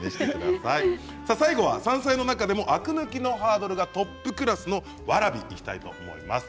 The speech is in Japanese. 最後は山菜の中でもアク抜きのハードルがトップクラスのわらびにいきたいと思います。